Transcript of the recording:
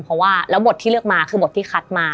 เพราะว่าแล้วบทที่เลือกมาคือบทที่คัดมา